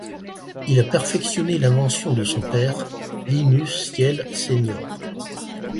Il a perfectionné l’invention de son père, Linus Yale Sr.